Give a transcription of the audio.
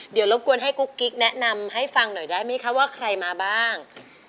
เดี๋ยวรบกวนให้กุ๊กกิ๊กแนะนำให้ฟังหน่อยได้ไหมคะว่าใครมาบ้าง